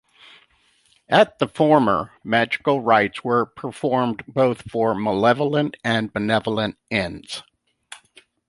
At the former, magical rites were performed both for malevolent and benevolent ends.